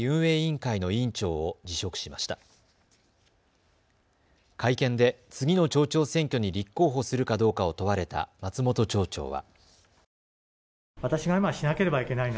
会見で次の町長選挙に立候補するかどうかを問われた松本町長は。